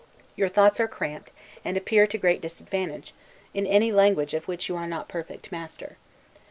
Your thoughts are cramped, and appear to great disadvantage, in any language of which you are not perfect master.